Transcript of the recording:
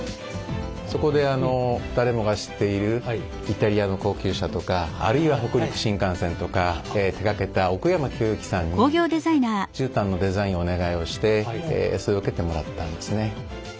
そこで誰もが知っているイタリアの高級車とかあるいは北陸新幹線とか手がけた奥山清行さんに絨毯のデザインをお願いをしてそれを受けてもらったんですね。